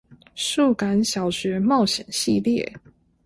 數感小學冒險系列